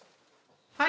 はい。